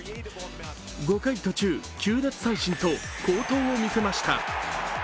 ５回途中、９奪三振と好投を見せました。